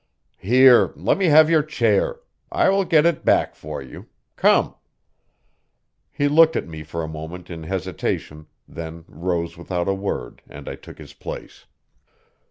"Here, let me have your chair. I will get it back for you. Come!" He looked at me for a moment in hesitation, then rose without a word and I took his place.